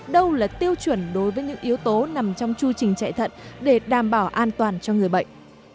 đâu là tiêu chuẩn đối với những yếu tố nằm trong chu trình chạy thận để đảm bảo an toàn cho người bệnh